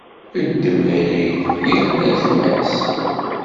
Iddem iɣid, irna gma-s.